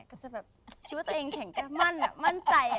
ก็จะแบบคิดว่าตัวเองแข็งแกมั่นมั่นใจ